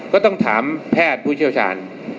ก็ต้องถามแพทย์ผู้เชี่ยวชาญ